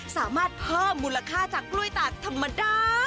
สามารถเพิ่มมูลค่าจากกล้วยตากธรรมดา